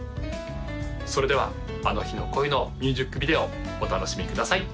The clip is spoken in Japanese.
それでは「あの日の恋」のミュージックビデオお楽しみください